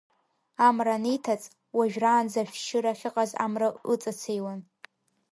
Амра анеиҭаҵ, уажә-раанӡа ашәшьыра ахьыҟаз амра ыҵацеиуан.